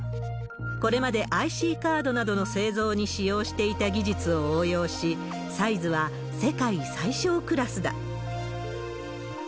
これまでＩＣカードなどの製造に使用していた技術を応用し、サイズは世界最小クラスだ。